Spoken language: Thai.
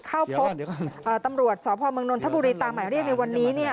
เข้าพบตำรวจสพเมืองนนทบุรีตามหมายเรียกในวันนี้